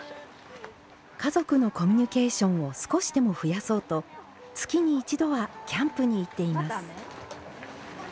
家族のコミュニケーションを少しでも増やそうと月に一度はキャンプに行っています。